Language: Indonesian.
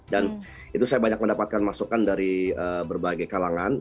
dan itu saya banyak mendapatkan masukan dari berbagai kalangan